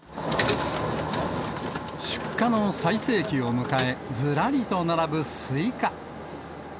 出荷の最盛期を迎え、ずらりと並ぶスイカ。